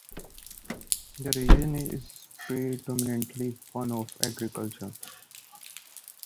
The region is predominantly one of agriculture.